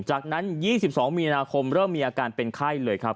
จากนั้น๒๒มีนาคมเริ่มมีอาการเป็นไข้เลยครับ